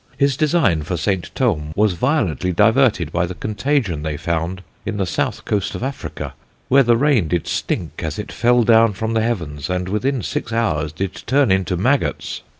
His design for Saint Thome was violently diverted by the contagion they found on the South Coast of Africa, where the rain did stink as it fell down from the heavens, and within six hours did turn into magots.